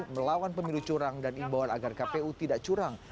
melawan pemilu curang dan imbauan agar kpu tidak curang